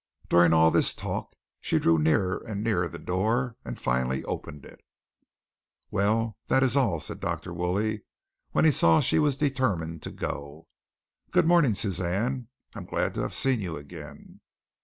During all this talk, she drew nearer and nearer the door and finally opened it. "Well, that is all," said Dr. Woolley, when he saw she was determined to go. "Good morning, Suzanne. I am glad to have seen you again."